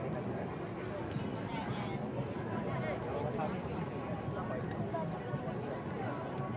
baikkan saudara maafkan saya